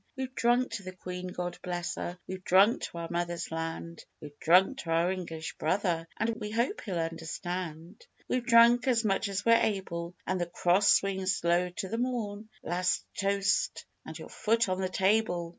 We've drunk to the Queen God bless her! We've drunk to our mothers' land; We've drunk to our English brother (And we hope he'll understand). We've drunk as much as we're able, And the Cross swings low to the morn; Last toast and your foot on the table!